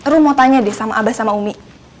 ruh mau tanya deh sama abah sama umi